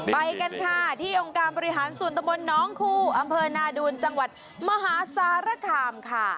ไปกันค่ะที่องค์การบริหารส่วนตะบนน้องคู่อำเภอนาดูนจังหวัดมหาสารคามค่ะ